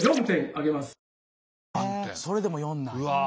あそれでも４なんや。